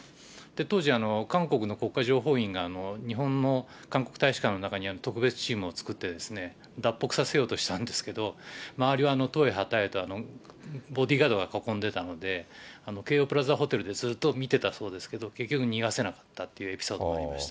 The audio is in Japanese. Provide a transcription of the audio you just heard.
当時、韓国の国家情報院が、日本の韓国大使館の中に特別チームを作って、脱北させようとしたんですけれども、周りは、ボディーガードが囲んでいたので、京王プラザホテルでずっと見てたそうですけど、結局、逃がせなかったっていうエピソードもありました。